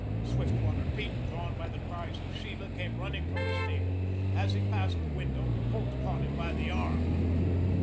Swiftwater Pete, drawn by the cries of Sheba, came running from the stable. As he passed the window, Holt caught him by the arm.